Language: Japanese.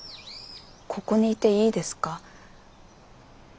ここにいていいですか？